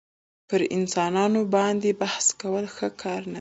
پر انسانانو باندي بحث کول ښه کار نه دئ.